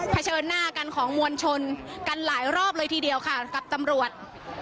เฉินหน้ากันของมวลชนกันหลายรอบเลยทีเดียวค่ะกับตำรวจ